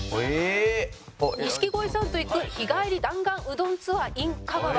錦鯉さんと行く日帰り弾丸うどんツアーｉｎ香川。